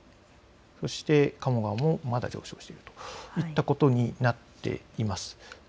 そして加茂川もまだ上昇しているといったことになっています。